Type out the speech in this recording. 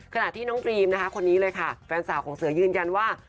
ขณะที่น้องดรีมนะคะคนนี้เลยค่ะแฟนสาวของเสือยืนยันว่า